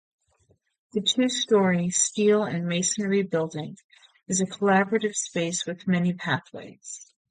The two-story steel-and-masonry building is a collaborative space with many pathways.